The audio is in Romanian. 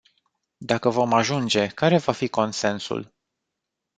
Dacă vom ajunge, care va fi consensul?